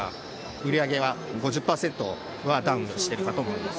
売り上げは５０％はダウンしてるかと思います。